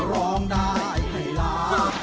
ร้องได้ให้ล้าน